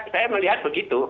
saya melihat begitu